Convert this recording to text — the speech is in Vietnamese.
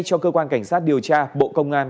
cho cơ quan cảnh sát điều tra bộ công an